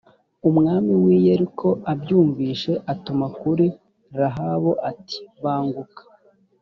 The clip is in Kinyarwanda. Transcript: umwami w’i yeriko abyumvise atuma kuri rahabu ati banguka